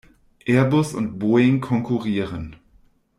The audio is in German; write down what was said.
Airbus und Boeing konkurrieren.